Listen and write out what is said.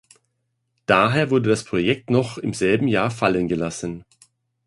Daher wurde das Projekt noch im selben Jahr fallen gelassen.